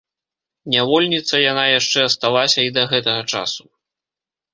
Нявольніца яна яшчэ асталася і да гэтага часу.